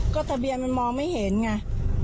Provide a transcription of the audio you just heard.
ก็ทะเบียนมันมองไม่เห็นไง